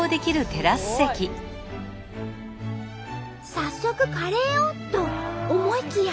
早速カレーをと思いきや。